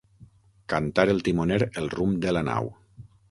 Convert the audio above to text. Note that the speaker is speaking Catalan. Cantar el timoner el rumb de la nau.